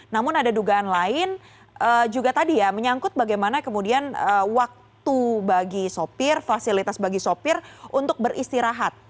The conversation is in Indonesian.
namun ada dugaan lain juga tadi ya menyangkut bagaimana kemudian waktu bagi sopir fasilitas bagi sopir untuk beristirahat